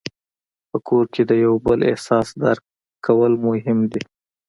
په کور کې د یو بل احساس درک کول مهم دي.